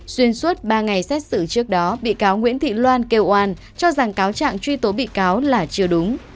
xuyên suốt ba ngày xét xử trước đó bị cáo nguyễn thị loan kêu oan cho rằng cáo trạng truy tố bị cáo là chưa đúng